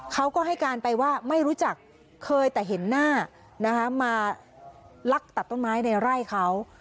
เขาก็ให้การไปว่าไม่รู้จักเคยแต่เห็นหน้านะคะมาลักตัดต้นไม้ในไร่เขา